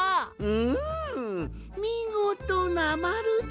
うむみごとなまるじゃ！